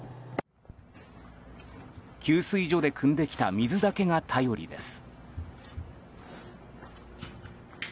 給水所でくんできた水だけが頼りです。